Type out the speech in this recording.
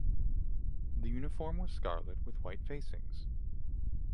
The uniform was scarlet with white facings.